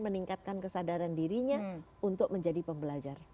meningkatkan kesadaran dirinya untuk menjadi pembelajar